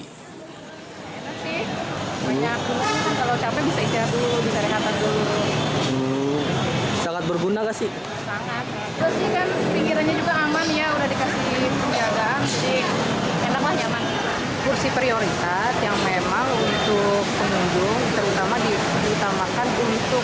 kursi prioritas yang memang untuk pengundung terutama diutamakan untuk ibu hamil mangkla dan anak kecil yang mau kembang